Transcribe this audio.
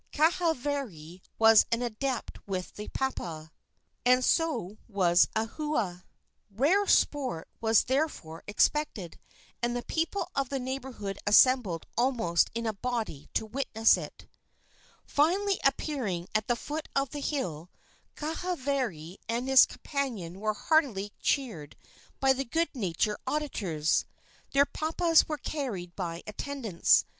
Kahavari was an adept with the papa, and so was Ahua. Rare sport was therefore expected, and the people of the neighborhood assembled almost in a body to witness it. Finally appearing at the foot of the hill, Kahavari and his companion were heartily cheered by their good natured auditors. Their papas were carried by attendants.